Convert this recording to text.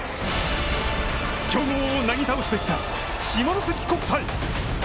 強豪をなぎ倒してきた下関国際。